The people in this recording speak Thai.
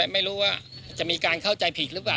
ไม่รู้ว่าจะมีการเข้าใจผิดหรือเปล่า